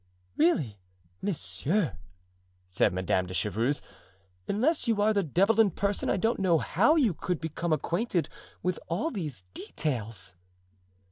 "Really, monsieur," said Madame de Chevreuse, "unless you are the devil in person I don't know how you could become acquainted with all these details."